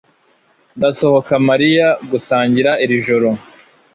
Ndasohoka Mariya gusangira iri joro